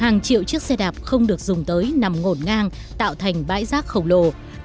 nhiều chiếc xe đạp không được dùng tới nằm ngổn ngang tạo thành bãi rác khổng lồ